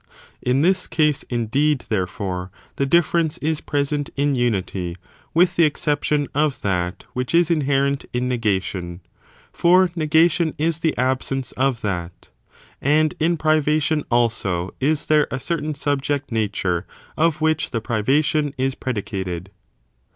In this case, indeed, therefore, the difference is present in unity with the exception of that which is inherent in negation, (for negation is the absence of that.) And in privation, also, is there a certain subject nature of which the privation is predicated.